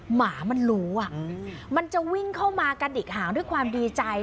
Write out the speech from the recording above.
หมามันรู้มันจะวิ่งเข้ามากันอีกห่างด้วยความดีใจ